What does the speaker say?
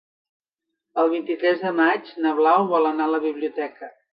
El vint-i-tres de maig na Blau vol anar a la biblioteca.